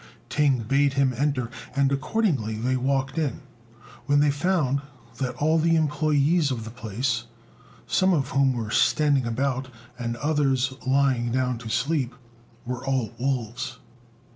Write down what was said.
Ting bade him enter, and accordingly they walked in, when they found that all the employés of the place, some of whom were standing about and others lying down to sleep, were all wolves.